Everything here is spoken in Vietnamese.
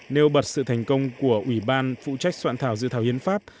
nêu bật sự thành công của ủy ban phụ trách soạn thảo dự thảo hiến pháp